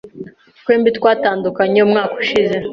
Twembi twatandukanye umwaka ushize.